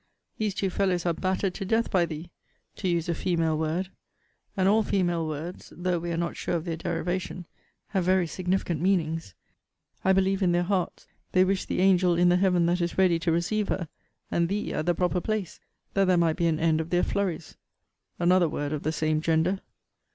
These two fellows are battered to death by thee, to use a female word; and all female words, though we are not sure of their derivation, have very significant meanings. I believe, in their hearts, they wish the angel in the Heaven that is ready to receive her, and thee at the proper place, that there might be an end of their flurries another word of the same gender.